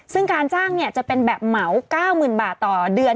ซึ่งการจ้างจะเป็นแบบเหมา๙๐๐๐บาทต่อเดือน